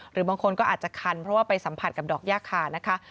หรือบางคนก็อาจจะคันเพราะว่าไปสัมผัสกับดอกย่าคานะคะ